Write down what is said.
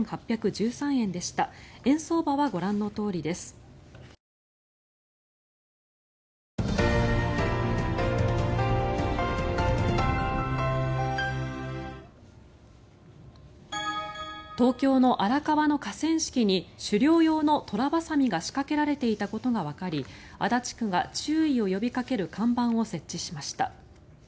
一柳容疑者は５月にも覚せい剤取締法違反事件で東京の荒川の河川敷に狩猟用のトラバサミが仕掛けられていたことがわかり足立区が注意を呼びかける看板を設置しました。